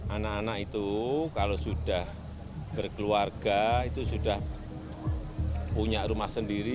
anak anak itu kalau sudah berkeluarga itu sudah punya rumah sendiri